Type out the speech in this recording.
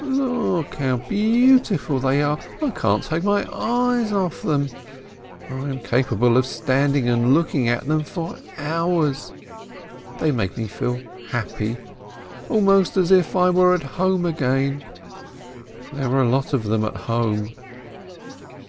"Look how beau tiful they are! I can't take my eyes off them. I am capable of standing and looking at them for hours. They make me feel happy, almost as if I were at home again. There were a lot of them at home